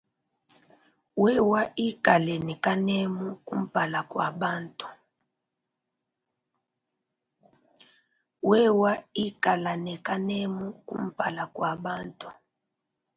Wewa ikala ne kanemu kumpala kua bantu.